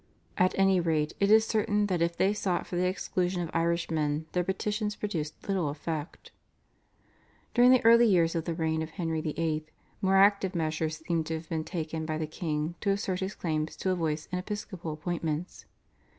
At any rate it is certain that if they sought for the exclusion of Irishmen their petitions produced little effect. During the early years of the reign of Henry VIII. more active measures seem to have been taken by the king to assert his claims to a voice in episcopal appointments.